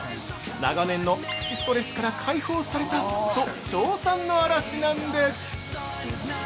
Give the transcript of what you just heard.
「長年のプチストレスから解放された！」と称賛の嵐なんです。